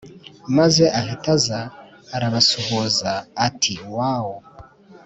maze ahita aza arabasuhuza ati’woow